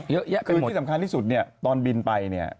เยอะแยะคือที่สำคัญที่สุดเนี่ยตอนบินไปเนี่ย